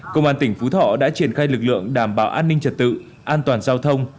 công an tỉnh phú thọ đã triển khai lực lượng đảm bảo an ninh trật tự an toàn giao thông